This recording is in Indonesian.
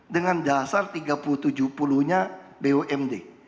dengan dasar tiga puluh tujuh puluh nya bumd